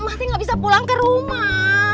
mati nggak bisa pulang ke rumah